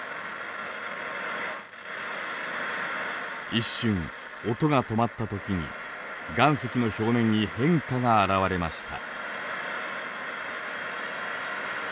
一瞬音が止まった時に岩石の表面に変化が現れました。